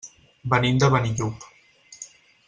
Venim de Benillup.